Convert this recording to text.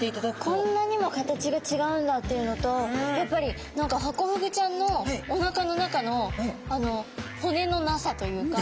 こんなにも形が違うんだっていうのとやっぱり何かハコフグちゃんのおなかの中の骨のなさというか。